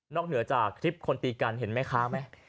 เหนือจากคลิปคนตีกันเห็นแม่ค้าไหม